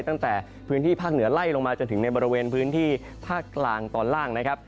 ตั้งแต่พื้นที่ภาคเหนือไล่ลงมาจนถึงในบริเวณพื้นที่ภาคกลางตอนล่างนะครับ